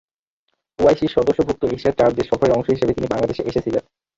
OIC সদস্যভুক্ত এশিয়ার চার দেশ সফরের অংশ হিসেবে তিনি বাংলাদেশে এসেছিলেন।